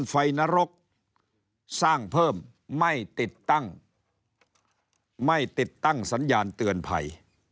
ไฟนรกสร้างเพิ่มไม่ติดตั้งสัญญาณเตือนภัย